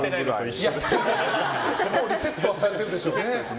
リセットされてるでしょうね。